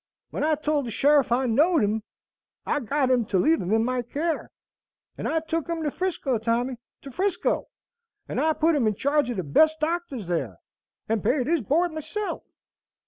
When I told the sheriff I knowed 'im, I got him to leave him in my care; and I took him to 'Frisco, Tommy, to 'Frisco, and I put him in charge o' the best doctors there, and paid his board myself.